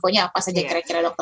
pokoknya apa saja kira kira dokter